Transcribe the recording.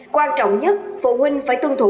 quan trọng nhất phụ huynh phải tuân thủ